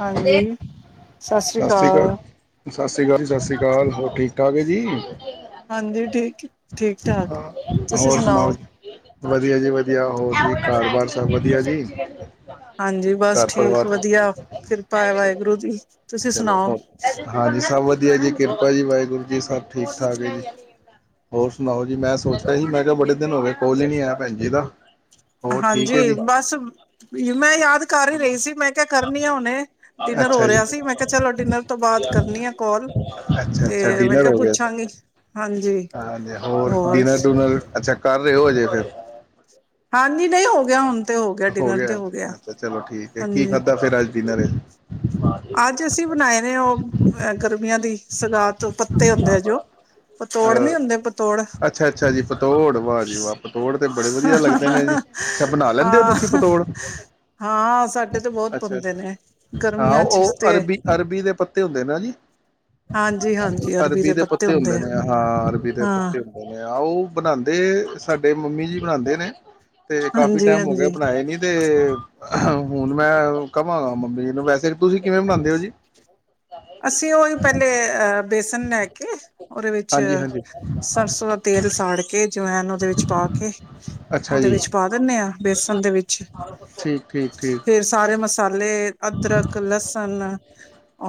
ਹਾਂਜੀ ਸਤਿ ਸਤਿ ਸ੍ਰੀ ਅਕਾਲ। ਸਤਿ ਸ਼੍ਰੀ ਅਕਾਲ। ਸਤਿ ਸ਼੍ਰੀ ਅਕਾਲ ਹੋਰ ਠੀਕ ਠਾਕ ਹੈ ਜੀ? ਹਾਂਜੀ ਠੀਕ ਠੀਕ ਠਾਕ ਤੁਸੀ ਹੋਰ ਸੁਣਾਓ। ਜੀ ਵਧੀਆ ਜੀ ਵਧੀਆ ਹੋਰ ਜੀ ਘਰ ਬਾਰ ਸਭ ਵਧੀਆ ਜੀ। ਹਾਂਜੀ ਬਸ ਘਰ ਠੀਕ ਵਧੀਆ। ਪਰਿਵਾਰ ਵਧੀਆ ਕਿਰਪਾ ਹੈ ਵਾਹਿਗੁਰੂ ਦੀ ਤੁਸੀ ਚਲੋ ਸੁਣਾਓ। ਹੋ ਹਾਂਜੀ ਸਭ ਜੀ ਕਿਰਪਾ ਜੀ ਵਾਹਿਗੁਰੂ। ਜੀ ਸਭ ਠੀਕ ਠਾਕ ਹੈ ਜੀ। ਹੋਰ ਸੁਣਾਓ ਜੀ ਮੈਂ ਸੋਚਿਆ ਸੀ ਮੈਂ ਕਿਹਾ ਬੜੇ ਦਿਨ ਹੋ ਗਏ ਕੋਲ ਹੀ ਨਹੀਂ ਆਇਆ ਭੈਣ ਜੀ ਦਾ। ਹੋਰ ਠੀਕ ਹੈ ਹਾਂਜੀ ਜੀ ਬਸ ਮੈਂ ਯਾਦ ਕਰ ਹੀ ਰਹੀ ਸੀ। ਮੈਂ ਕਿਹਾ ਕਰਨੀ ਆ ਹੁਨੇ ਡਿਨਰ ਹੋ ਅੱਛਾ ਜੀ ਰਿਹਾ ਸੀ ਮੈਂ ਕਿਹਾ ਚਲੋ ਡਿਨਰ ਤੋਂ ਬਾਅਦ ਕਰਨੀ ਆ ਕੋਲ ਅੱਛਾ ਤੇ ਅੱਛਾ ਮੈਂ ਡਿਨਰ ਕਿਹਾ ਹੋ ਗਿਆ ਪੁੱਛਾਂਗੀ ਹਾਂਜੀ। ਹਾਂਜੀ ਹੋਰ ਡਿਨਰ ਡੁਨਰ ਅੱਛਾ ਕਰ ਰਹੇ ਹੋ ਹਜੇ। [inaudible] ਹਾਂਜੀ ਨਹੀਂ ਹੋ ਗਿਆ ਹੁਣ ਹੋ ਗਿਆ ਅੱਛਾ ਚਲੋ ਠੀਕ ਹੈ ਕੀ ਹਾਂਜੀ। ਖਾਧਾ ਫਿਰ ਅੱਜ ਡਿਨਰ ਅੱਜ ਅਸੀਂ ਬਣਾਇਆ ਉਹ ਅ ਗਰਮੀਆਂ ਦੀ ਸਗਾ ਤੋਂ ਪੱਤੇ ਹੁੰਦੇ ਆ ਜੋ ਪਤੋੜ ਨੀ ਹੁੰਦੇ ਅ ਪਤੋੜ ਅੱਛਾ ਅੱਛਾ ਜੀ ਪਤੋੜ ਵਾਹ ਜੀ ਵਾਹ ਪਤੋੜ ਤੇ ਬੜੇ ਵਧੀਆ ਲੱਗਦੇ ਨੇ ਜੀ ਅੱਛਾ ਬਣਾ ਲੈਂਦੇ ਹੋ ਤੁਸੀਂ ਹਾਂ ਪਤੋੜ ਹਾਂ ਸਾਡੇ ਤੇ ਬਹੁਤ ਅੱਛਾ ਪਾਉਂਦੇ ਅੱਛਾ ਨੇ ਹਾਂ ਗਰਮੀਆਂ ਚ ਉਹ ਤੇ ਅਰਬੀ -ਅਰਬੀ ਦੇ ਪੱਤੇ ਹੁੰਦੇ ਨੇ ਜੀ, ਅਰਬੀ ਦੇ ਪੱਤੇ ਹੁੰਦੇ ਨੇ ਹਾਂ ਅਰਬੀ ਦੇ ਹਾਂ ਪੱਤੇ ਹੁੰਦੇ ਨੇ ਆ, ਉਹ ਬਨਾੰਦੇ ਸਾਡੇ ਸਾਡੇ ਮੰਮੀ ਜੀ, ਬਣਾੰਦੇ ਨੇ। ਤੇ ਕਾਫੀ ਹਾਂਜੀ ਟਾਈਮ ਹੋ ਗਿਆ, ਹਾਂਜੀ ਬਣਾਏ ਨੀ ਤੇ ਹੁਣ ਮੈਂ ਕਵਾਂਗਾ ਮੰਮੀ ਜੀ ਨੂੰ, ਵੈਸੇ ਤੁਸੀਂ ਕਿਵੇਂ ਬਨਾਂਦੇ ਓ ਜੀ। ਅਸੀਂ ਉਹਹੀ ਪਹਿਲੇ, ਅਹ ਬੇਸ ਸਨੇ ਹਕੀ [inaudible] ਉਹਦੇ ਵਿੱਚ, ਹਾਂਜੀ ਹਾਂਜੀ ਸਰਸੋਂ ਦਾ ਤੇਲ ਸਾੜ ਕੇ, ਜਿਵੇਂ ਉਹਦੇ ਵਿੱਚ ਪਾ ਕੇ, ਅੱਛਾ ਉਹਦੇ ਜੀ ਵਿੱਚ ਪਾ ਦਿੰਨੇ ਆਂ, ਬੇਸਣ ਦੇ ਵਿੱਚ, ਠੀਕ ਠੀਕ ਠੀਕ ਫੇਰ ਸਾਰੇ ਮਸ ਅਦਰਕ, ਲਸਣ,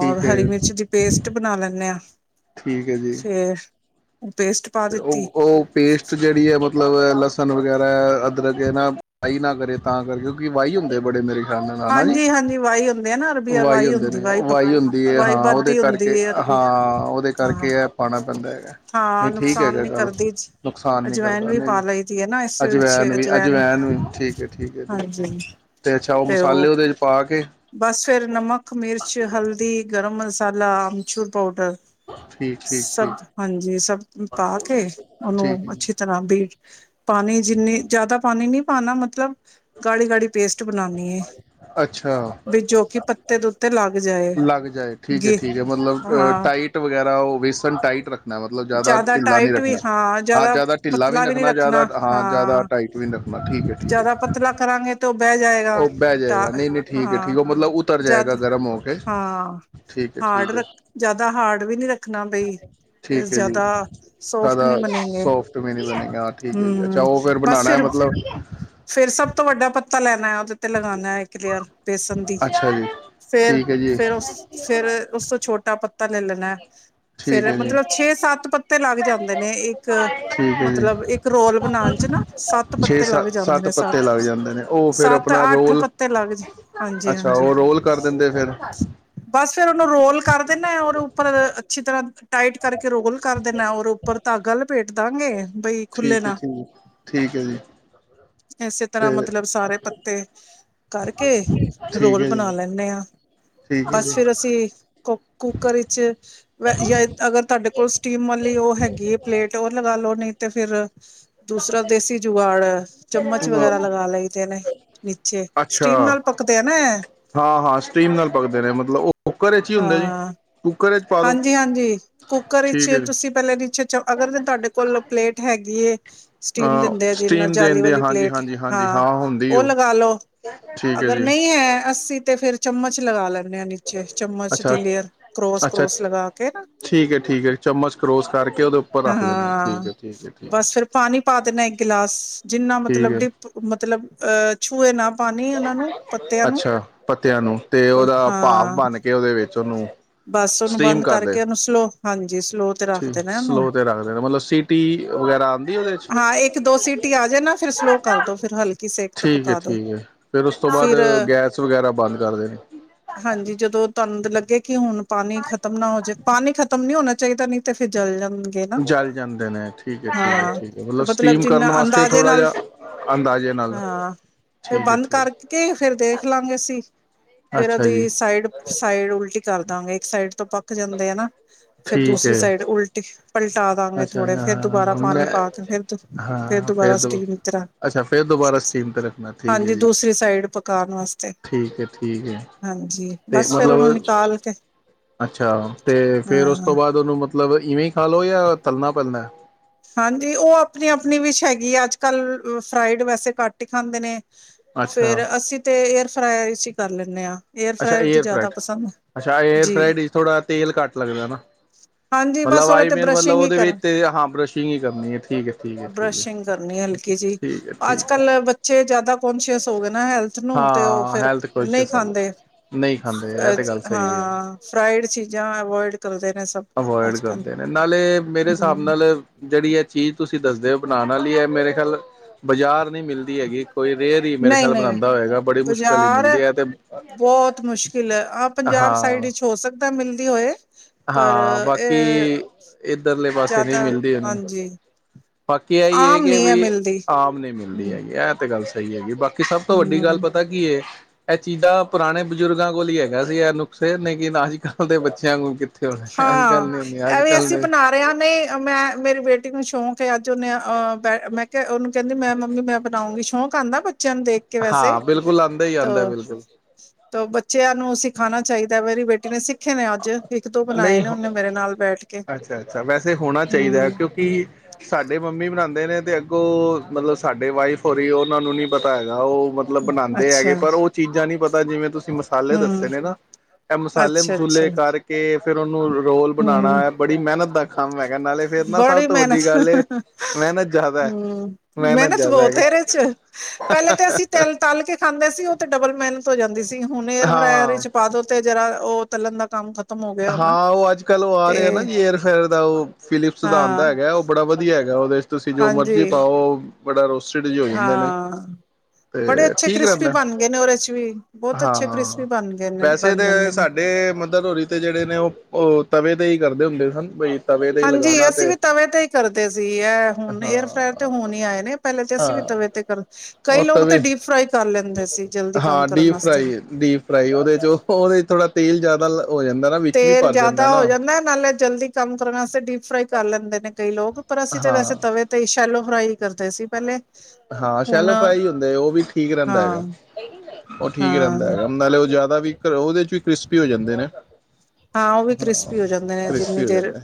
ਔਰ ਹਰੀ ਹੈ ਮਿਰਚ ਦੀ ਪੇਸਟ ਬਨਾ ਲੈਂਨੇ ਆਂ। ਠੀਕ ਹੈ ਜੀ। ਪੇਸਟ ਪਾ ਤੇ ਦਿੱਤੀ ਉਹ, ਉਹ ਪੇਸਟ ਜਿਹੜੀ ਐ ਮਤਲਬ, ਲਸਣ ਵਗੈਰਾ, ਅਦਰਕ ਇਹ ਨਾ ਵਹੀ ਨਾ ਕਰੇ ਤਾਂ ਕਰ ਕਿਉਂਕਿ, ਵਾਹੀ ਹੁੰਦੇ ਬੜੇ ਮੇਰੇ ਨਾ ਜੀ, ਹਾਂਜੀ ਹਾਂਜੀ ਵਾਈ ਹੁੰਦੇ ਆ ਨਾ ਅਰਬੀ ਵਾਈ ਹੁੰਦੇ ਹੁੰਦੀ ਨੇ, ਵਾਈ ਹੁੰਦੀ ਐ, ਵਾਈ ਹਾਂ ਉਹਦੇ ਵੱਧਦੀ ਕਰਕੇ ਹੁੰਦੀ ਹੈ ਅਰਬੀ ਹਾਂ, ਉਹਦੇ ਹਾਂ ਕਰਕੇ ਇਹ ਪਾਉਣਾ ਪੈਂਦਾ ਹੈਗਾ। ਹਾਂ ਨਹੀਂ ਠੀਕ ਨੁਕਸਾਨ ਹੈਗਾ ਨੀ ਗੱਲ, ਕਰਦੀ ਨੁਕਸਾਨ ਨਹੀਂ ਕਰਦਾ, ਅਜਵੈਨ ਇਹਨੇ ਵੀ ਪਾ ਲਈ ਦੀ ਹੈ ਨਾ ਇਸ ਵਿੱਚ ਅਜਵੈਨ ਵੀ ਅਜਵੈਨ ਵੀ ਠੀਕ ਹੈ, ਠੀਕ ਹੈ ਠੀਕ ਹੈ ਹਾਂਜੀ ਤੇ ਅੱਛਾ ਉਹ ਖਾਲੇ ਉਹਦੇ ਚ ਪਾ ਕੇ ਬਸ ਫਿਰ ਨਮਕ, ਮਿਰਚ, ਹਲਦੀ, ਗਰਮ ਮ ਮਸਾਲਾ, ਅਮਚੂਰ ਪਾਊਡਰ। ਠੀਕ ਠੀਕ ਸਭ ਠੀਕ ਹਾਂਜੀ ਸਭ ਪਾ ਕੇ, ਉਹਨੂੰ ਠੀਕ ਅੱਛੀ ਹੈ। ਤਰ੍ਹਾਂ ਬੀਟ ਪਾਨੀ ਜਿੰਨੀ ਜ਼ਿਆਦਾ ਪਾਨੀ ਨੀ ਹਾਂ ਨਾ ਮਤਲਬ ਗਾੜੀ-ਗਾੜੀ ਪੇਸਟ ਬਨਾੰਨੀਂ ਏ। ਅੱਛਾ ਲੱਗ ਜਾਏ, ਠੀਕ ਹੈ, ਗੇ ਠੀਕ ਹੈ, ਮਤਲਬਹ ਹਾਂ ਟਾਈਟ ਵਗੈਰਾ ਉਹ ਬੇਸਨ ਟਾਈਟੱ, ਖ ਮਤਲਬ ਜਿਆਦਾ ਜ਼ਿਆਦਾ ਢਿੱਲਾ ਨੀ ਟਾਈਟ ਵੀ ਰੱਖਣਾ, ਹਾਂ ਜ਼ਿਆਦਾ ਜਿਆਦਾ ਢਿੱਲਾ ਵੀ ਪਤਲਾ ਨਹੀਂ ਰੱਖਣਾ ਜਿਆਦਾ ਹਾਂ, ਜ਼ਿਆਦਾ ਟਾਈਟ ਵੀ ਨ ਰੱਖਣਾ ਠੀਕ ਹੈ ਠੀਕ ਜ਼ਿਆਦਾ ਹੈ। ਪਤਲਾ ਕਰਾਂਗੇ ਟੋਬਹਿ ਜਾਏਗਾ ਉਹ ਬਹਿ ਤਾਂ ਜਾਏਗਾ ਨਹੀਂ ਨਹੀਂ ਠੀਕ ਹੈ ਹਾਂ ਠੀਕ ਉਹ ਮਤਲਬ ਉਤਰ ਜਦ ਜਾਏਗਾ ਗਰਮ ਹੋ ਕੇ ਹਾਂ ਠੀਕ ਹੈ ਹਾਰਡ ਠੀਕ ਹੈ ਰੱਖ ਜਿਆਦਾ ਹਾਰਡ ਵੀ ਨੀ ਰੱਖਣਾ ਬਈ ਫਿਰ ਠੀਕ ਹੈ ਜੀ, ਜ਼ਿਆਦਾ ਸੋਫਟ ਜ਼ਿਆਦਾ ਨਹੀਂ ਬਣੇਗੇ ਸੋਫਟ ਵੀ ਨੀ ਬਣੇ ਹਾਂ, ਠੀਕ ਹੈ ਜੀ ਅੱਛਾ ਹਮ ਉਹ ਫੇਿਰ ਬਸ ਬਣਾਣਾ ਫਿਰ ਮਤਲਬ ਫਿਰ ਸਭ ਤੋਂ ਵੱਡਾ [unintelligible] ਤੇ ਲਗਾਣਾ ਹੈ ਇੱਕ ਲੇਅਰ ਬੇਸਨ ਦੀ ਅੱਛਾ ਜੀ ਠੀਕ ਹੈ ਜੀ ਫੇਰ-ਫੇਰ ਉਸ ਫੇਰ ਉਸ ਤੋਂ ਛੋਟਾ ਪੱਤ ਤਾ ਲੈਣ ਨਾ ਠੀਕ ਹੈ ਜੀ। ਛੇ ਸੱਤ ਪੱਤੇ ਲੱਗ ਜਾਂਦੇ ਨੇ ਇੱਕ ਠੀਕ ਹੈ ਜੀ ਮਤਲਬ ਇੱਕ ਰੋਲ ਬਣਾਣ ਚ ਨਾ ਸੱਤ ਛੇ ਪੱਤੇ ਲੱਗ ਸੱਤ ਜਾਂਦੇ ਨੇ ਪੱਤੇ ਸੱਤ, ਲੱਗ ਜਾਂਦੇ ਨੇ ਉਹ ਫਿਰ ਆਪਣਾ ਸੱਤ-ਅੱਠ ਰੋਲ ਪੱਤੇ ਲੱਗ ਜਾਂਦੇ। ਅੱਛਾ ਹਾਂਜੀ--ਹਾਂਜੀ। ਉਹ ਰੋਲ ਕਰ ਦਿੰਦੇ ਫਿਰ ਬਸ ਫੇਰ ਉਹਨੂੰ ਰੋਲ ਕਰਦੇ ਨੇ ਉਹਦੇ ਉੱਪਰ ਅੱਛੀ ਤਰ੍ਹਾਂ ਟਾਈਟ ਕਰਕੇ ਰੋਗਲ ਕਰ ਦੇਣਾ ਔਰ ਉੱਪਰ ਧਾਗਾ ਲਪੇਟ ਧਾਗੇ ਬਈ ਖੁੱਲੇ ਠੀਕ ਹੈ ਨਾ ਠੀਕ ਠੀਕ ਹੈ ਜੀ ਇਸੇ ਤਰ੍ਹਾਂ ਤੇ ਮਤਲਬ ਸਾਰੇ ਪੱਤੇ ਕਰਕੇ ਠੀਕ ਰੋਲ ਹੈ ਬਣਾ ਜੀ ਲੈਂਏ ਆ ਠੀਕ ਹੈ ਬਸ ਜੀ ਫਿਰ ਅਸੀਂ ਕੋ ਕੁੱਕਰ ਵਿੱਚ ਯਾਂ ਅਗਰ ਤੁਹਾਡੇ ਕੋਲ ਸਟੀਮ ਵਾਲੀ ਉਹ ਹੈਗੀ ਹੈ ਪਲੇਟ ਉਹ ਲਗਾ ਲੋ ਨੀ ਤੇ ਫੇਰ ਦੂਸਰਾ ਦੇਸੀ ਜੁਵਾੜ ਐ। ਚਮਚ ਵਗੈਰਾ ਲਗਾ ਲਈ ਦੇ ਨੇ ਨੀਚੇ ਅੱਛਾ ਸਟੀਮ ਨਾਲ ਪੱਕਦੇ ਆ ਨਾ ਐ। ਹਾਂ ਹਾਂ ਸਟੀਮ ਨਾਲ ਪਕਦੇ ਨੇ ਮਤਲਬ ਉਹ ਕੁੱਕਰ ਵਿੱਚ ਹੀ ਹੁੰਦਾ ਜੀ ਹਾਂ, ਕੁੱਕਰ ਵਿੱਚ ਪਾ ਦੋ ਹਾਂਜੀ-ਹਾਂਜੀ ਕੁੱਕਰ ਵਿੱਚ ਠੀਕ ਹੈ ਜੀ ਤੁਸੀਂ ਪਹਿਲੇ ਨੀਚੇ ਚ ਅਗਰ ਤੁਹਾਡੇ ਕੋਲ ਪਲੇਟ ਹੈ। ਹੈਗੀ ਏ। ਅਹ ਸਟੀਮ ਜਾਲੀ ਦੇਣਦੇ ਆ ਵਾਲੀ ਹਾਂਜੀ। ਪਲੇਟ ਹਾਂਜੀ ਹਾਂਜੀ ਹਾਂ ਹੁੰਦੀ ਉਹ ਲਗਾ ਲੋ ਠੀਕ ਹੈ ਅਗਰ ਜੀ ਨਹੀਂ ਹੈ। ਅੱਸੀ ਤੇ ਫੇਰ ਚਮਚ ਲਗਾ ਲੈਦ ਕਰੋਸ ਅੱਛਾ-ਅੱਛਾ। ਕਰੋਸ ਲਗਾ ਕੇ ਨਾ ਠੀਕ ਹੈ, ਠੀਕ ਹੈ ਚਮਚ ਕਰੋਸ ਕਰਕੇ ਉਹਦੇ ੳ ਹ-ਹਾਂ ਬਸ ਫੇਰ ਪਾਣੀ ਪਾ ਦਿੰਦੇ ਇੱਕ ਗਿਲਾਸ। [inaudible] ਜਿੰਨਾ ਠੀਕ ਮਤਲਬ ਹੈ ਡਿਪ ਮਤਲਬ ਅਹ ਹੋਏ ਨਾ ਪਾਣੀ ਉਹਨਾਂ ਨੂੰ ਪੱਤਿਆਂ ਨੂੰ ਅੱਛਾ ਪੱਤਿਆਂ ਨੂੰ ਤੇ ਉਹਦਾ ਭਾਵ ਬਣ ਕੇ ਉਹਦੇ ਵਿੱਚ ਚਲੋ। ਬੱਸ ਉਹਨੂੰ ਬੰਦ ਕਰਕੇ ਉਹਨੂੰ ਸਲੋ ਹਾਂਜੀ ਸ ਸਲੋ ਤੇ ਠੀਕ ਰੱਖਦੇ ਨਾ ਇਹਨੂੰ ਸਲੋਅ ਤੇ ਰੱਖ ਦੇਣਾ ਮਤਲਬ ਸੀਟੀ ਵਗੈਰਾ ਆਉਂਦੀ ਉਹਦੇ ਚ ਹਾਂ ਇੱਕ ਦੋ ਸੀਟੀ ਆ ਜੇ ਨਾ ਫਿਰ ਸਲੋਅ ਕਰ ਦੋ, ਫਿਰ ਹਲਕੀ ਸੇਕ ਤੇ ਠੀਕ ਹੈ ਪਕਾ ਦੋ ਠੀਕ ਹੈ ਫਿਰ ਉਸ ਤੋਂ ਬਾਅਦ ਫਿਰ ਗੈਸ ਵਗੈਰਾ ਬੰਦ ਕਰ ਦੇਣੀ ਹਾਂਜੀ ਜਦੋਂ ਤੁਹਾਨੂੰ ਲੱਗੇ ਕਿ ਹੁਣ ਪਾਣੀ ਖ਼ਤਮ ਨਾ ਹੋ ਜੇ। ਪਾਣੀ ਖਤਮ ਨੀ ਹੋਣਾ ਚਾਹੀਦਾ ਨਹੀਂ ਤੇ ਫਿਰ ਜਲ ਜਾਂਦਾ। ਨਾ ਜਲ ਜਾਂਦੇ ਨੇ ਠੀਕ ਹੈ ਠੀਕ ਹੈ ਹਾਂ ਠੀਕ ਹੈ ਤੇ ਮਤਲਬ ਸਟੀਮ ਜਿਨਾ ਕਰਨ ਵਾਸਤੇ ਅੰਦਾਜ਼ੇ ਥੋੜ੍ਹਾ ਨਾਲ ਜਿਹਾ ਅੰਦਾਜ਼ੇ ਨਾਲ ਹਾਂ ਫੇਰ ਠੀਕ ਹੈ ਬੰਦ ਠੀਕ ਕਰਕੇ ਫੇਰ ਦੇਖ ਲਾਂਗੇ ਅਸੀ ਫੇਰ ਅੱਛਾ ਜੀ ਉਹਦੀ ਸਾਈਡ ਸਾਈਡ ਉਲਟੀ ਕਰ ਦਾਂ ਇੱਕ ਸਾਈਡ ਤੋਂ ਪੱਕ ਜਾਂਦੇ ਆ ਨਾ ਫੇਰ ਠੀਕ ਦੂਸਰੀ ਹੈ ਸਾਈਡ ਉਲਟੀ ਪਲਟੀ ਪਟਾ ਦਾਂਗੇ ਅੱਛਾ ਥੋੜੇ ਫੇਰ ਹਾਂ ਦੁਬਾਰਾ ਪਾਣੀ ਮੈਂ ਪਾ ਕੇ ਫਿਰ ਫਰ ਹਾਂ ਫੇਰ ਦੁਬਾਰਾ ਦੋ ਸਟੀਮ ਤਰ੍ਹਾਂ ਅੱਛਾ ਫੇਰ ਦੁਬਾਰਾ ਸਟੀਮ ਤੇ ਰੱਖਣਾ ਠੀਕ ਹੈ ਹਾਂਜੀ ਜੀ ਦੂਸਰੀ ਸਾਈਡ ਪਕਾ ਵਾਸਤੇ ਠੀਕ ਹੈ ਠੀਕ ਹੈ ਹਾਂਜੀ ਤੇ ਬਸ ਫਿਰ ਉਹਨੂੰ ਮਤਲਬ ਨਿਕਾਲ ਕੇ ਅੱਛਾ ਤੇ ਫੇਰ ਉਸ ਤੋਂ ਹਾਂ ਬਾਅਦ ਉਹਨੂੰ ਮਤਲਬ ਮਤਲਬ ਇਵੇਂ ਖਾਲੋ ਜਾਂ ਤਲਣਾ ਪੈਂਦਾ। ਹਾਂਜੀ ਉਹ ਆਪਣੀ ਆਪਣੀ ਵਿਸ਼ ਹੈਗੀ ਆ ਅੱਜ ਕੱਲ੍ਹ ਫਰਾਈਡ ਵੈਸੇ ਘੱਟ ਹੀ ਖਾਂਦੇ ਨੇ। ਅੱਛਾ ਫੇਰ ਅੱਸੀਂ ਤੇ ਏਅਰ ਫਰਾਈਅਰ ਚ ਹੀ। ਕਰ ਲੈਂਣੇ ਹਾਂ। ਅੱਛਾ ਫਰਾਇਰ ਤੇ ਏਅਰ ਫਰਾਈ ਜ਼ਿਆਦਾ ਪਸੰਦ ਅੱਛਾ ਏਅਰ ਜੀ ਫਰਾਈ ਥੋੜਾ ਤੇਲ ਕੱਟ ਲੱਗਦਾ ਨਾ ਹਾਂਜੀ ਬਸ ਮਤਲਬ ਉਹਦੇ ਆਈ ਤੇ ਮੇਨ ਮਤਲਬ ਬਰਸ਼ਿੰਗ ਹੀ ਉਹਦੇ ਚ ਕਰ ਤੇਲ ਬਸ਼ਿੰਗ ਬਰਸ਼ਿੰਗ ਕਰਨੀ ਹਲਕੀ ਜੀ ਠੀਕ ਹੈ ਠੀਕ ਅੱਜ ਹੈ ਕੱਲ ਬੱਚੇ ਜਿਆਦਾ ਕੋਂਸ਼ੀਅਸ ਹੋ ਗਏ ਨਾ ਹੈਲਥ ਨੂੰ ਤੇ ਉਹ ਹਾਂ ਫੇਰ ਹੈਲਥ ਨਹੀਂ ਕੋਂਸ਼ੀਅਸ ਹੋ ਖਾਂਦੇ। ਨਹੀਂ ਖਾਂਦੇ ਇਹ ਤੇ ਗੱਲ ਸਹੀ ਹੈ ਹਾਂ ਫਰਾਡ ਚੀਜ਼ਾਂ ਅਵਇਡ ਕਰਦੇ ਨੇ ਸਭ ਅਵੋਇਡ ਅੱਜ ਕੱਲ ਕਰਦੇ ਨੇ ਨਾਲੇ ਮੇਰੇ ਹਿਸਾਬ ਹਮ ਨਾਲ ਜਿਹੜੀ ਇਹ ਚੀਜ਼ ਤੁਸੀਂ ਦੱਸਦੇ ਹੋ ਬਣਾਣ ਵਾਲੀ ਹੈ ਮੇਰੇ ਖਿਆਲ ਬਾਜ਼ਾਰ ਨਹੀਂ ਮਿਲਦੀ ਹੈਗੀ। ਕੋਈ ਰੇਅਰ ਦੀ ਮੇਰੇ ਨਹੀਂ ਖਿਆਲ ਨਹੀਂ ਬਣਾਦਾ ਹੋਏਗਾ ਬੜੀ ਮੁਸ਼ਕਲ ਹੀ ਬਾਜ਼ਾਰ ਮਿਲਦੀ ਹੈ ਤੇ ਬਹੁਤ ਮੁਸ਼ਕਿਲ ਹੈ ਆਹ ਪੰਜਾਬ ਸਾਈਡ ਹਾਂ ਵਿੱਚ ਹੋ ਸਕਦਾ। ਮਿਲਦੀ ਹੋਏ। ਪਰ ਹਾਂ ਬਾਕੀ ਇਹ ਇੱਧਰਲੇ ਪਾਸੇ ਨਹੀਂ ਜ਼ਿਆਦਾ ਮਿਲਦੀ ਉਹਨੂੰ ਹਾਂਜੀ ਬਾਕੀ ਆਹੀ ਇਹ ਆਮ ਕਿ ਨਹੀਂ ਹੈ ਵੀ ਮਿਲਦੀ ਆਮ ਨਹੀਂ ਮਿਲਦੀ ਹਮ ਹੈਗੀ ਇਹ ਤੇ ਗੱਲ ਸਹੀ ਹੈਗੀ ਬਾਕੀ ਕਿ ਸਭ ਤੋਂ ਵੱਡੀ ਗੱਲ ਹਮ ਪਤਾ ਕੀ ਹੈ ਇਹ ਚੀਜ਼ਾਂ ਪੁਰਾਣੇ ਬਜ਼ੁਰਗਾਂ ਕੋਲ ਹੀ ਹੈਗਾ ਸੀ ਇਹ ਨੁਕਸੇ ਨਹੀਂ ਲੇਕਿਨ ਅੱਜ ਕੱਲ੍ਹ ਦੇ ਬੱਚਿਆਂ ਨੂੰ ਹਾਂ ਇਹ ਵੀ ਅਸੀਂ ਬਣਾ ਰਹੇ ਹ ਨਹੀਂ ਮੈਂ ਮੇਰੀ ਬੇਟੀ ਨੂੰ ਸ਼ੌਕ ਹੈ। ਉਹਨੇਹ ਮੈਂ ਉਹਨੂੰ ਕਹਿੰਦੀ ਮੈਂ ਮੰਮੀ ਮੈਂ ਬਣਾਉਂਗੀ ਸ਼ੌਕ ਆਦਾ ਬੱਚਿਆ ਨੂੰ ਦੇਖ ਕੇ ਵੈਸੇ ਹਾਂ ਬਿਲਕੁਲ ਆਉਂਦਾ ਹੀ ਆਉਂਦਾ ਬਿਲਕੁਲ ਤਾਂ ਬੱਚਿਆਂ ਨੂੰ ਸਿਖਿਆ ਆਣਾ ਚਾਹੀਦਾ। ਵਾਰੀ ਬੇਟੀ ਨੇ ਸਿੱਖੇ ਨੇ ਅੱਜ ਦੋ ਬਣਾਏ ਨਹੀਂ ਨੇ ਉਹਨੇ ਮੇਰੇ ਨਾਲ ਬੈਠ ਕੇ ਅੱਛਾ ਅੱਛਾ ਵੈਸੇ ਹੋਣਾ ਚਾਹੀਦਾ ਹੂੰ ਕਿਉਂਕਿ ਸਾਡੇ ਮੰਮੀ ਬਣਾਉਂਦੇ ਨੇ ਤੇ ਅੱਗੋਂ ਮਤਲਬ ਸਾਡੇ ਵਾਈਫ ਹੋ ਰਹੀ ਉਹਨਾਂ ਨੂੰ ਨੀ ਪਤਾ ਹੈਗਾ ਉਹ ਮਤਲਬ ਬਣਾਉਂਦੇ ਹੈਗੇ ਅੱਛਾ ਪਰ ਉਹ ਚੀਜ਼ਾਂ ਨੀ ਪਤਾ ਜਿਵੇਂ ਤੁਂ ਤੁਸੀਂ ਮਸਾਲੇ ਦੱਸੇ ਹੂੰ ਨੇ ਨਾ ਇਹ ਮਸਾਲੇ ਅੱਛਾ ਮਸੂਲੇ ਅੱਛਾ ਕਰਕੇ ਫਿਰ ਉਹਨੂੰ ਰੋਲ ਬਣਾਉਣਾ ਹੂੰ ਹੈ ਬੜੀ ਮਿਹਨਤ ਦਾ ਕ [unintelligible] ਬੜੀ ਮਿਹਨਤ ਮਿਹਨਤ ਜ਼ਿਆਦਾ ਹੈ ਹਮ ਮਿਹਨਤ ਜ਼ਿਆਦਾ ਬਹੁਤ ਹੈਗੀ ਇਹਦੇ ਚ ਪਹਿਲੇ ਤੇ ਅਸੀਂ ਤਲ ਤਲ ਕੇ ਖਾਂਦੇ ਸੀ ਉਹ ਤੇ ਡਬਲ ਮਿਹਨਤ ਜਾਂਦੀ ਸੀ ਹੁਣ ਏਅਰ ਫਰਾਇਰ ਹਾਂ ਚ ਪਾਦੋ ਤੇ ਜਰਾ ਉਹ ਤਲਣ ਦਾ ਕੰਮ ਖਤਮ ਹੋ ਗਿਆ ਹੁਣ ਹਾਂ ਉਹ ਅੱਜ ਕੱਲ੍ਹ ਉਹ ਆ ਤੇ ਰਿਹਾ ਨਾ ਜੀ ਏਅਰ ਫੇਅਰ ਦਾ ਉਹ ਫਿਲਪ ਸਿਧਾਂਤ ਹਾਂ ਹੈਗਾ ਉਹ ਬੜਾ ਵਧੀਆ ਹੈਗਾ ਉਹਦੇ ਤੁਸੀਂ ਜੋ ਹਾਂਜੀ ਮਰਜ਼ੀ ਪਾਓ ਬੜਾ ਰੋਸਟਡ ਜਿਹੇ ਹੋ ਜਾਂਦੇ ਨੇ ਹਾਂ ਬੜੇ ਤੇ ਅੱਛੇ ਠੀਕ ਕ੍ਰਿਸਪੀ ਰਹਿੰਦਾ ਬਣ ਗਏ ਨੇ ਉਹਦੇ ਚ ਵੀ ਬਹੁਤ ਅੱਛੇ ਕ੍ਰਿਸਪੀ ਹਾਂ ਬਣ ਗਏ ਨੇ ਵੈਸੇ ਬਣ ਤਾਂ ਜਾਂਦੇ ਨੇ ਸਾਡੇ ਮਦਰ ਹੋਰੀ ਤੇ ਜਿਹੜੇ ਨੇ ਉਹ ਤਵੇ ਤੇ ਹੀ ਕਰਦੇ ਹੁੰਦੇ ਸਨ ਬਈ ਤਵੇ ਤੇ ਹੀ ਹਾਂਜੀ ਲਗਾਣਾ ਅਸੀਂ ਤੇ ਵੀ ਤਵੇ ਤੇ ਹੀ ਕਰਦੇ ਸੀ ਇਹ ਹੁਣ ਹਾਂ ਏਅਰ ਫਰਾਰ ਤੇ ਹੋਣ ਹੀਈ ਆਏ ਨੇ ਪਹਿਲੇਾਂ ਤੇ ਅਸੀਂ ਵੀ ਹਾਂ ਤਵੇ ਤੇ ਕਰ ਕਈ ਉਹ ਲੋਕ ਤਾਂ ਤਵੇ ਡੀਪ ਫਰਾਈ ਕਰ ਲੈਂਦੇ ਸੀ ਜਲਦੀ ਕੰਮ ਹਾਂ ਕਰਨ ਡੀਪ ਵਾਸਤੇ ਫਰਾਈ ਡੀਪ ਫਰਾਈ ਉਹਦੇ ਚ ਉਹਦੇ ਚ ਥੋੜਾ ਤੇਲ ਜ਼ਿਆਦਾ ਹੋ ਜਾਂਦਾ ਨਾ ਵਿੱਚ ਵੀ ਤੇਲ ਭਰ ਜਾਂਦਾ ਜਿਆਦਾ ਨਾ ਹੋ ਜਾਂਦਾ ਨਾਲੇ ਜਲਦੀ ਕੰਮ ਕਰਨ ਵਾਸਤੇ ਡੀਪ ਫਰਾਈ ਕਰ ਲੈਂਦੇ ਨੇ ਕਈ ਲੋਕ ਪਰ ਅਸੀਂ ਤੇ ਹਾਂ ਵੈਸੇ ਤਵੇ ਤੇ ਸ਼ੈਲੋ ਫਰਾਈ, ਕਰਦੇ ਸੀ ਪਹਿਲੇ। ਹਾਂ, ਹੁਣ ਸ਼ੈਲੋ ਫਰਾਈ ਹੁੰਦੇ। ਉਹ ਵੀ ਠੀਕ ਰਹਿੰਦਾ ਹਾਂ ਹੈਗਾ, ਉਹ ਠੀਕ ਰਹਿੰਦਾ ਹਾਂ ਹੈਗਾ, ਨਾਲੇ ਉਹ ਜ਼ਿਆਦਾ ਵੀ ਉਹਦੇ, ਚ ਵੀ ਕ੍ਰਿਸਪੀ ਹੋ ਜਾਂਦੇ ਨੇ। ਹਾਂ, ਉਹ ਵੀ ਕ੍ਰਿਸਪੀ ਹੋ ਜਾਂਦੇ ਨੇ, ਜਿੰਨੀ ਕ੍ਰਿਸਪੀ ਹੋ ਦੇਰ ਜਾਂਦੇ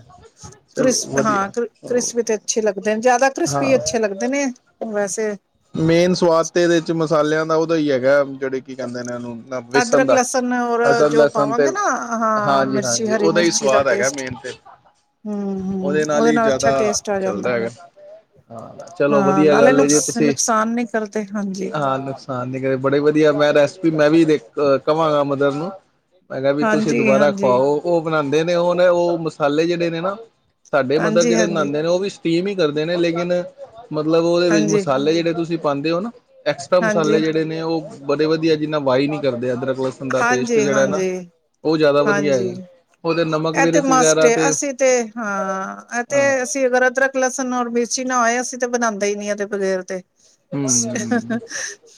ਚਲੋ ਕ੍ਰਿਸਪ ਹਾਂ, ਵਧੀਆ ਕ ਕ੍ਰਿਸਪੀ ਤੇ ਅੱਛੇ ਲੱਗਦੇ ਨੇ, ਜ਼ਿਆਦਾ ਹਾਂ ਕ੍ਰਿਸਪੀ ਅੱਛੇ ਲੱਗਦੇ ਨੇ। ਵੈਸੇ ਮੇਨ ਸਵਾਦ ਤੇ, ਇਹਦੇ ਵਿੱਚ ਮਸਾਲਿਆਂ ਦਾ ਉਹਦਾ ਹੈਗਾ, ਜਿਹੜੇ ਕੀ ਕਹਿੰਦੇ ਨੇ ਉਹ ਨੂੰ? ਬੇਸਣ ਅਦਰਕ ਦਾ, ਲਸਣ ਔਰ ਹਸਨ ਜੋ ਲਸਣ ਤੇ, ਪਾਵਾਂਗੇ ਨਾ ਹਾਂ ਹਾਂਜੀ, ਮਿਰਚੀ ਹਾਂਜੀ! ਹਰੀ ਉਹਦਾ ਹੀ ਮਿਰਚੀ ਦਾ ਸਵਾਦ ਹੈਗਾ ਪੇਸਟ ਮੇਨ ਤੇ। ਹੂੰ ਹੂੰ ਉਹਦੇ ਨਾਲ ਹੀ ਅੱਛਾ ਜ਼ਿਆਦਾ ਟੇਸਟ ਆ ਜਾਂਦਾ ਚੱਲਦਾ ਹੈਗਾ। ਹਾਂ, ਚਲੋ ਵ ਹਾਂ ਨਾਲੇ ਗੱਲ ਜੀ, ਨੁਕਸ ਤੁਸੀਂ, ਨੁਕਸਾਨ ਨਹੀਂ ਕਰਦੇ ਹਾਂਜੀ ਹਾਂ! ਨੁਕਸਾਨ ਨ ਕਰੇ। ਬੜੇ ਵਧੀਆ, ਮੈਂ ਰ ਵੀ, ਮੈਂ ਵੀ ਦੇਖ, ਕਹਾਂਗਾ ਮਦਰ ਨੂੰ ਮੈਂ ਕਿਹਾ ਵੀ ਤੁਸੀਂ ਹਾਂਜੀ ਦੁਬਾਰਾ ਹਾਂਜੀ ਖਵਾਓ, ਉਹ ਬਣਾਉਦੇ ਨੇ ਉਹੁ ਨੇ, ਉਹ ਮਸਾਲੇ ਜਿਹੜੇ ਨੇ ਨਾ ਸਾਡੇ ਮਦਰ ਹਾਂਜੀ ਜਿਹੜੇ ਹਾਂਜੀ ਹਾਂਜੀ ਬਨਾਂਨਦੇ ਨੇ, ਉਹ ਵੀ ਟੀਮ ਹੀ ਕਰਦੇ ਨੇ, ਲੇਕਿਨ ਮਤਲਬ, ਉਹਦੇ ਵਿੱਚ, ਮਸਾਲੇ ਜਿਹੜੇ ਤੁਸੀਂ ਪਾਂਦੇ ਹੋ ਨਾ, ਐਕਸਟਰਾ ਮਸਾਲੇ ਹਾਂਜੀ ਜਿਹੜੇ ਨੇ, ਉਹ ਬੜੇ ਵਧੀਆ, ਜਿੰਨਾ ਵਹੀ ਨਹੀਂ ਕਰਦੇ ਅੰਦਰ। ਹਾਂਜੀ, ਹਾਂਜੀ, ਜ਼ਿਆਦਾ ਵਧੀਆ ਹਾਂਜੀ! ਹੈਗਾ ਉਹਦੇ ਨਮਕ ਇਹ ਤੇ ਮਿਰਚ ਮਸਟ, ਵਗੈਰਾ ਅਸੀਂ ਤੇ, ਹਾਂ! ਇਹ ਹਾਂ ਤੇ ਅਸੀਂ ਅਗਰ, ਅਦਰਕ, ਲਸਣ ਔਰ ੀ ਨਾ ਆਏ, ਅਸੀਂ ਤੇ ਬਣਾਉਂਦਾ ਹੀ ਨੀ ਇਹਦੇ ਬਗੈਰ ਤੇ। ਹਮ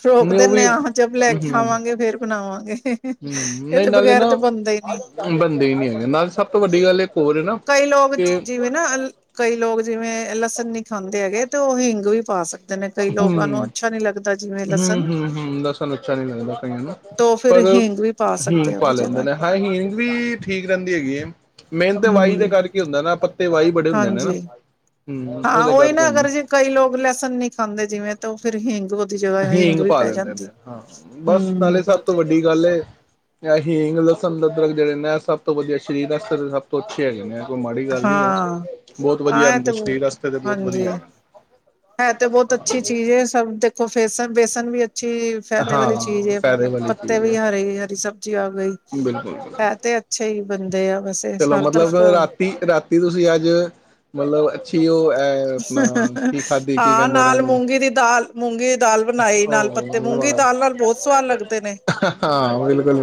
ਰੋਕ ਨਹੀਂ ਉਹ ਵੀ ਦੇਨਾ ਆਹ ਜਬ ਲੈ ਕੇ ਹਮ ਆਵਾਂਗੇ, ਫੇਰ ਬਣਾਵਾਂਗੇ। ਹਮ! ਨਹੀਂ ਇਹਦੇ ਨਾਲੇ ਬਗੈਰ ਨਾ, ਤੇ ਬਣਦਾ ਹੀ ਨੀ ਬੰਦੇ ਹੀ ਨੀ ਹੈਗੇ, ਨਾਲੇ ਸਭ ਤੋਂ ਵੱਡੀ ਗੱਲ ਇੱਕ ਹੋਰ ਹੈ ਨਾ ਕਈ ਕਿ ਜਿਂਵੇ, ਲਸਨ ਖਾਂਦੇ ਹੈਗੇ, ਤੇ ਉਹ ਹਿੰਗ ਵੀ ਪਾ ਸਕ। ਨੇ ਕਈ ਹਮ ਲੋਕਾਂ ਨੂੰ, ਅੱਛਾ ਨੀ ਲੱਗ ਹਮ, ਹਮ, ਹਮ! ਲਸਨ ਅਚਛਾ ਨੀ, ਲਗਦਾ ਕਾਇਆ ਨੂੰ ਤੋ ਫਿਰ ਪਰ ਹਿੰਗ ਵੀ ਪਾ ਹੀਂਗ ਸਕਦੇ ਆ ਪਾ ਉਹਦੀ ਲੈਂਦੇ ਜਗ੍ਹਾ ਨੇ। ਹਾਂ ਹੀਂਗ ਵੀ ਠੀਕ ਰਹਿੰਦੀ ਹੈਗੀ ਹੈ, ਮੇਨ ਤੇ ਵਾਹੀ ਦੇ ਹਮ ਕਰਕੇ ਹੁੰਦਾ ਨਾ, ਪੱਤੇ ਵਾਈ ਬੜੇ ਹੁੰਦੇ ਨੇ, ਨਾ। ਹਾਂਜੀ ਹਮ ਹਾਂ! ਉਹਦੇ ਉਹੀ ਕਰਕੇ ਨਾ ਹੁੰਦਾ। ਅਗਰ, ਜੇ ਕਈ ਲੋਕ, ਲੈਹਸਨ ਨੀ ਖਾਂਦੇ ਜਿਵੇਂ, ਤਾਂ ਉਹ, ਫਿਰ ਹਿੰਗ ਵ ਹੀਂਗ ਪਾ ਦਿੰਦੇ ਨੇ ਹਾਂ ਬਸ ਹਮ ਨਾਲੇ ਸਭ ਤੋਂ ਵੱਡੀ ਗੱਲ ਇਹ ਹੀਂਗ ਲਸਣ ਅਦਰਕ ਜਿਹੜੇ ਨੇ ਸਭ ਤੋਂ ਵਧੀਆ ਸਰੀਰ ਸਭ ਤੋਂ ਅੱਛੇ ਹੈਗੇ ਨੇ ਕੋਈ ਮਾੜੀ ਗੱਲ ਨੀ ਆ ਹਾਂ ਬਹੋਤ ਵਧੀਆ ਹਾਂ ਇਹ ਰਹਿੰਦਾ ਤੇ ਸਰੀਰ ਵਾਸਤੇ ਤੇ ਬਹੁਤ ਹਾਂਜੀ ਵਧੀਆਹਿੰ ਤੇ ਬਹੁਤ ਅੱਛੀ ਚੀਜ਼ ਹੈ ਸਭ ਦੇਖੋ ਫੇਸ ਬੇਸਨ ਵੀ ਅਛੀ ਫਾਇਦੇ ਵਾਲੀ ਹਾਂ ਚੀਜ਼ ਫਾਇਦੇ ਵਾਲੀ ਪੱਤੇ ਵੀ ਹਰੇ ਹਰੀ ਸਬਜ਼ੀ ਆ ਗਈ ਬਿਲਕੁਲੁ ਹੈ ਤੇ ਅੱਛੇ ਹੀ ਬੰਦੇ ਆ ਵੈਸੇ ਚਲੋ ਹਰ ਤਰਫ ਮਤਲਬ ਤੋਂ ਰਾਤੀ ਰਾਤੀ ਤੁਸੀਂ ਅੱਜ ਮਤਲਬ ਅੱਛੀ ਉਹ ਹੈ ਆਪਣਾ ਕੀ ਖਾਧੀ ਕੀ ਹਾਂ ਕਹਿੰਦੇ ਨੇ ਨਾਲ ਇਹਨੂੰ ਮੂੰਗੀ ਦੀ ਦਾਲ ਮੂੰਗੀ ਦੀ ਦਾਲ ਬਣਾਈ ਨਾਲ ਪੱਤੇ ਮੂੰਗੀ ਦੀ ਉਹ ਦਾਲ ਨਾਲ ਬਹੁਤ ਸਵਾਦ ਲੱਗਦੇ ਨੇ ਹਾਂ ਬਿਲਕੁਲ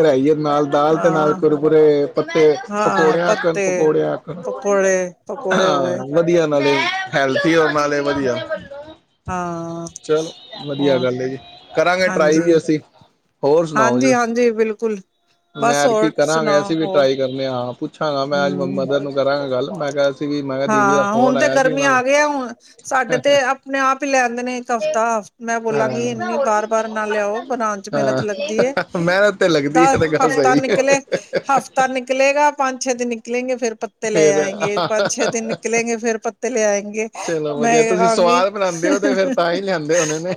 [unintelligible] ਨਾਲ ਦਾਲ ਤੇ ਨਾਲ ਹਾਂ ਕੁਰ ਕੁਰੇ ਪੱਤੇ ਹਾਂ ਪਕੌੜਿਆਂ ਆਕਣ ਪੱਤੇ ਪਕੌੜੇ ਆਕਣ ਪਕੌੜੇ ਪਕੌੜੇ ਹੋ ਗਏ ਹਾਂ ਵਧੀਆ [unintelligible] ਹੈਲਥੀ [unintelligible] ਵਧੀਆ ਹਾਂ ਚਲ ਵਧੀਆ ਹੋਰ ਗੱਲ ਏ ਜੀ ਕਰਾਂਗੇ ਟਰਾਈ ਹਾਂਜੀ ਵੀ ਅਸੀਂ ਹੋਰ ਸੁਣਾਓ ਜੀ ਹਾਂਜੀ ਹਾਂਜੀ ਬਿਲਕੁਲ ਮੈਂ ਬਸ ਏਦ ਕੀ ਹੋਰ ਕਰਾਂਗੇ ਸੁਣਾਓ ਅਸੀਂ ਵੀ ਹੋਰ ਟਰਾਈ ਕਰਨੇ ਆਂ ਪੁੱਛਾਂਗਾ ਮੈਂ ਅੱਜ ਹਮ ਮਦਰ ਨੂੰ ਕਰਾਂਗਾ ਗੱਲ [unintelligible] ਦੀਦੀ ਦਾ ਹਾਂ ਹੁਣ ਫੋਨ ਤੇ ਆਇਆ ਸੀ ਗਰਮੀ ਉਹਨਾਂ ਆ ਨੂੰ ਗਈ ਹੁਣ ਸਾਡੇ ਤੇ ਆਪਣੇ ਆਪ ਹੀ ਲੈਦੇ ਨੇ ਇੱਕ ਹਫ਼ਤਾ ਮੈਂ ਹਾਂ। ਬੋਲਾਂਗੀ ਇੰਨੀ ਵਾਰ ਵਾਰ ਨਾ ਲਿਆਓ ਬਨਾਨ ਚ ਮਿਹਨਤ ਹਾਂ ਲੱਗਦੀ ਏ ਮਿਹਨਤ ਤੇ ਲੱਗਦੀ ਦਾ ਹੈ ਤੇ ਗੱਲ ਹਫ਼ਤਾ ਸਹੀ ਹੈ। ਨਿਕਲੇ ਹਫ਼ਤਾ ਨਿਕਲੇਗਾ ਪੰਜ ਛੇ ਦਿਨ ਨਿਕਲੇਗੇ ਫੇਰ ਪੱਤੇ ਲੈ ਫੇਰ ਆਏਂਗੇ ਪੰਜ [unintelligible] ਨਿਕਲਲੇਗੇ ਫਿਰ ਪੱਤੇ ਲਿਆ ਚਲੋ ਵਧੀਆ ਤੁਸੀਂ ਸਵਾਦ ਬਣਾਂਦੇ ਹੋ ਤੇ ਫਿਰ ਤਾਂ ਹੀ ਲਿਆਂਦੇ ਹੋਣੇ ਨੇ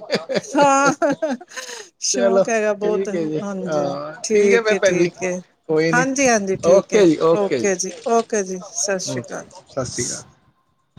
ਹਾਂ ਚਲੋ ਸ਼ੌਕ ਹੈਗਾ ਬਹੁਤ ਠੀਕ ਹੈ ਜੀ ਹਾਂਜੀ ਹਾਂ ਹੈ ਠੀਕ ਫਿਰ ਏ ਭੈਣ ਜੀ ਠੀਕ ਏ ਕੋਈ ਨੀ ਹਾਂਜੀ ਹਾਂਜੀ ਠੀਕ ਹਏ ਓਕੇ ਜੀ ਓਕੇ ਜੀ ਸਤਿ ਸ਼੍ਰੀ ਓਕੇ ਅਕਾਲ ਸਤਿ ਸ਼੍ਰੀ ਅਕਾਲ